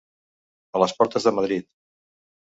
A les portes de Madrid.